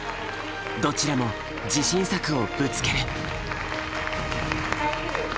どちらも自信作をぶつける。